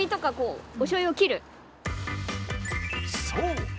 そう！